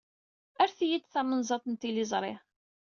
Rret-iyi-d tamenzaḍt n tliẓri.